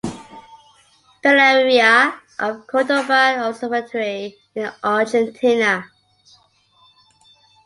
Pereyra of Cordoba observatory in Argentina.